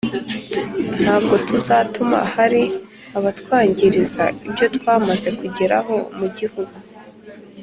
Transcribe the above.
Ntabwo tuzatuma hari abatwangiriza ibyo twamaze kugeraho mu gihugu